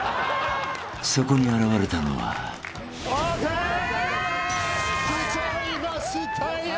［そこに現れたのは］ＯＫ！来ちゃいましたよ。